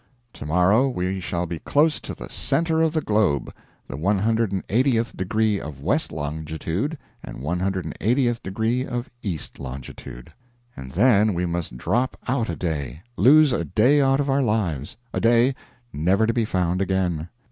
To morrow we shall be close to the center of the globe the 180th degree of west longitude and 180th degree of east longitude. And then we must drop out a day lose a day out of our lives, a day never to be found again.